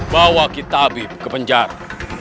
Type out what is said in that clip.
bawa kita abib ke penjara